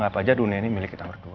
gak apa aja dunia ini miliki kita berdua